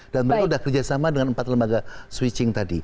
dan mereka sudah kerjasama dengan empat lembaga switching tadi